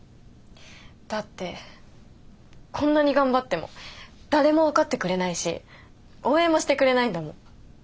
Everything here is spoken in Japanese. だってこんなに頑張っても誰も分かってくれないし応援もしてくれないんだもん。